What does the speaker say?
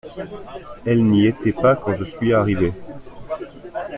Elle n’y était pas quand je suis arrivé.